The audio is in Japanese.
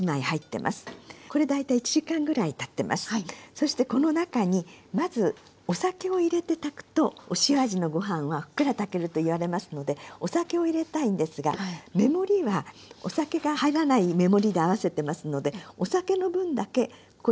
そしてこの中にまずお酒を入れて炊くとお塩味のご飯はふっくら炊けると言われますのでお酒を入れたいんですが目盛りはお酒が入らない目盛りで合わせてますのでお酒の分だけここで大さじ２杯の取って下さい。